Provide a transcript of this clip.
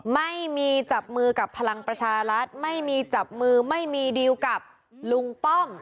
ไม่มีจับมือกับพลังประชารัฐไม่มีจับมือไม่มีดีลกับลุงป้อม